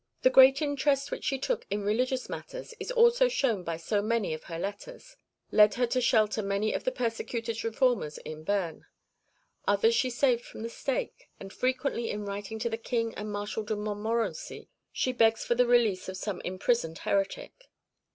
The great interest which she took in religious matters, as is shown by so many of her letters, (1) led her to shelter many of the persecuted Reformers in Beam; others she saved from the stake, and frequently in writing to the King and Marshal de Montmorency she begs for the release of some imprisoned heretic.